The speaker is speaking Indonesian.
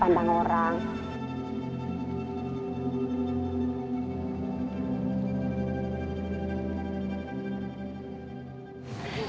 orang orang yang susik